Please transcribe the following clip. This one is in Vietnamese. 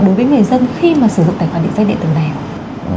đối với người dân khi mà sử dụng tài khoản điện tử nào